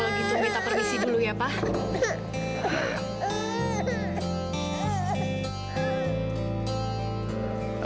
kalau gitu minta permisi dulu ya pak